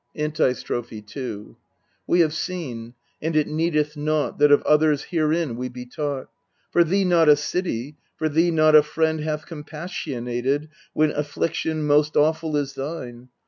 Antistrophe 2 We have seen, and it needeth naught That of others herein we be taught : For thee not a city, for thee not a friend hath compas sionated When affliction most awful is thine.